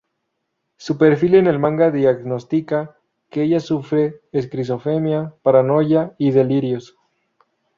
Su perfil en el manga diagnostica que ella sufre esquizofrenia, paranoia y delirios.